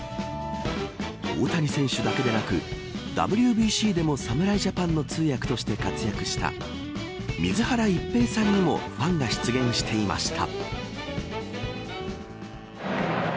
大谷選手だけでなくＷＢＣでも侍ジャパンの通訳として活躍した水原一平さんにもファンが出現していました。